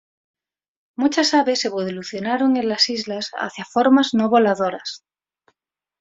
Muchas aves evolucionaron en las islas hacia formas no voladoras.